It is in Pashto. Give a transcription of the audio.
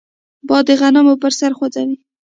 باد د غنمو پسر خوځوي